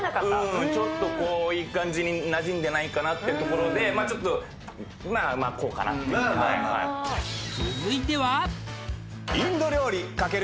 うんちょっとこういい感じになじんでないかなってところでまっちょっとまあまあこうかなっていうえっいける？